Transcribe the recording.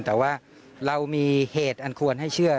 แต่ว่าเรามีเหตุอันควรให้เชื่อ